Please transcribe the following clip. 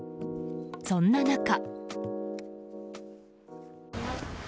そんな中。